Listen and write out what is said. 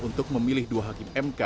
untuk memilih dua hakim mk